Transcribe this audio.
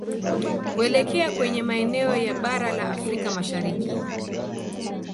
kuelekea kwenye maeneo ya Bara la Afrika Mashariki